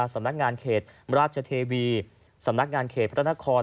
สำนักงานเขตราชเทวีสำนักงานเขตพระนคร